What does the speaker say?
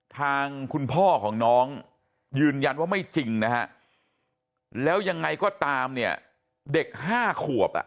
ทางคุณพ่อของน้องยืนยันว่าไม่จริงนะฮะแล้วยังไงก็ตามเนี่ยเด็ก๕ขวบอ่ะ